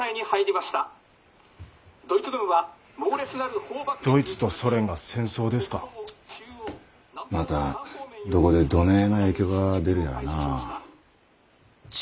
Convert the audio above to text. またどこでどねえな影響が出るやらなあ。